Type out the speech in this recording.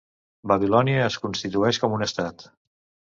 Babilònia es constitueix com un estat.